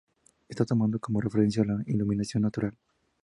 Esto tomando como referencia la iluminación natural.